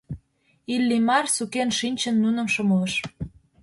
Иллимар, сукен шинчын, нуным шымлыш.